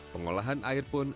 pengolahan air pun